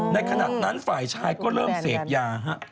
ในขณะนั้นฝ่ายชายก็เริ่มเสพยาฮะ